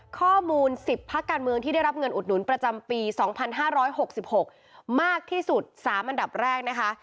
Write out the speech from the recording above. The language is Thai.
ข้อมูล๑๐พักการเมืองที่ได้รับเงินอุดหนุนประจำปี๒๕๖๖มากที่สุด๓อันดับแรกนะคะ